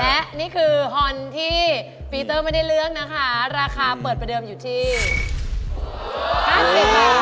และนี่คือฮอนที่ปีเตอร์ไม่ได้เลือกนะคะราคาเปิดประเดิมอยู่ที่๕๐บาท